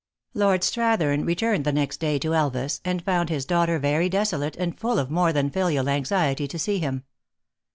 LORD STRATHERN returned the next day to Elvas, and found his daughter very desolate, and full of more than filial anxiety to see him.